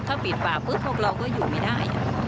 ถ้าปิดฝ่าปุ๊บพวกเราก็อยู่ไม่ได้